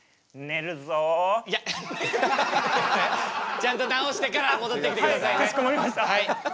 ちゃんと治してから戻ってきてくださいね。